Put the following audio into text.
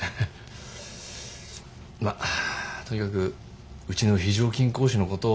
まあとにかくうちの非常勤講師のことを。